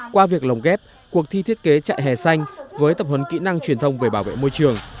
qua việc lồng ghép cuộc thi thiết kế trại hè xanh với tập huấn kỹ năng truyền thông về bảo vệ môi trường